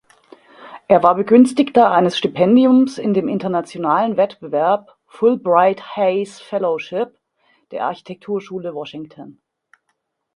Er war Begünstigter eines Stipendiums in dem internationalen Wettbewerb „Fullbright-Hays Fellowship“ der Architekturschule Washington.